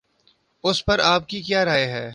اس پر آپ کی کیا رائے ہے؟